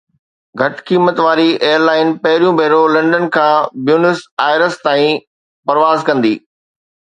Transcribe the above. گھٽ قيمت واري ايئر لائن پهريون ڀيرو لنڊن کان بيونس آئرس تائين پرواز ڪندي